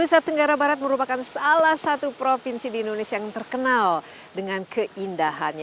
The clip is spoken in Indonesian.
nusa tenggara barat merupakan salah satu provinsi di indonesia yang terkenal dengan keindahannya